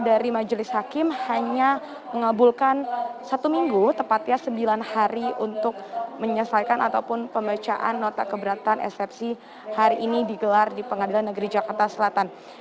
dari majelis hakim hanya mengabulkan satu minggu tepatnya sembilan hari untuk menyelesaikan ataupun pembacaan nota keberatan eksepsi hari ini digelar di pengadilan negeri jakarta selatan